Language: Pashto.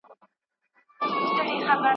کله کله به هوا ته هم ختلې `